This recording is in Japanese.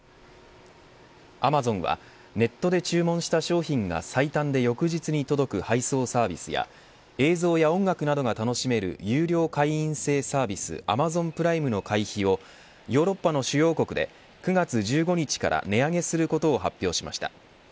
アマゾンはネットで注文した商品が最短で翌日に届く配送サービスや映像や音楽などが楽しめる有料会員制サービスアマゾンプライムの会費をヨーロッパの主要国で９月１５日から値上げすることを発表しました。